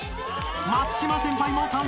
［松嶋先輩も参戦］